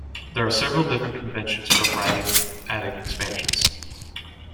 There are several different conventions for writing -adic expansions.